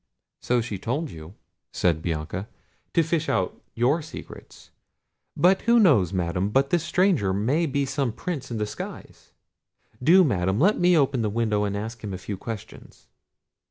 "So she told you," said Bianca, "to fish out your secrets; but who knows, Madam, but this stranger may be some Prince in disguise? Do, Madam, let me open the window, and ask him a few questions."